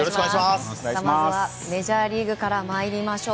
まずはメジャーリーグから参りましょう。